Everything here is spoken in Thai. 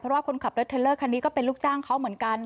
เพราะว่าคนขับรถเทลเลอร์คันนี้ก็เป็นลูกจ้างเขาเหมือนกัน